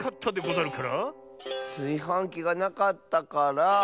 すいはんきがなかったから。